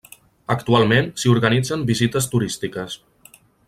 Actualment s'hi organitzen visites turístiques.